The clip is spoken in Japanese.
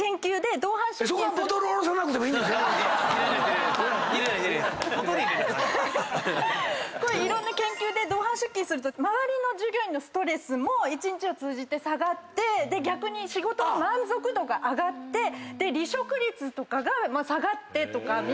ボトル入れるって何や⁉いろんな研究で同伴出勤すると周りの従業員のストレスも一日を通じて下がって逆に仕事の満足度が上がって離職率とかが下がってとか。